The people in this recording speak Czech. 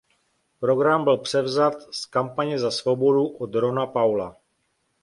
Program byl převzat z Kampaně za svobodu od Rona Paula.